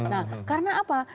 nah karena apa